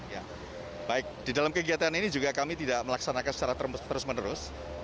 ya baik di dalam kegiatan ini juga kami tidak melaksanakan secara terus menerus